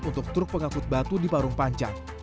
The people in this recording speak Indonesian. untuk truk pengangkut batu di parung panjang